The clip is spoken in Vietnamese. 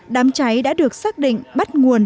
đám cháy đã được xác định bắt nguồn